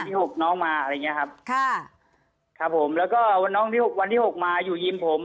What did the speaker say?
หกน้องมาอะไรอย่างเงี้ยครับค่ะครับผมแล้วก็วันน้องที่หกวันที่หกมาอยู่ยิมผม